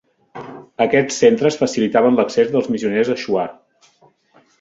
Aquests "centres" facilitaven l'accés dels missioners a Shuar.